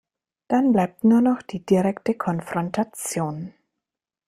Dann bleibt nur noch die direkte Konfrontation.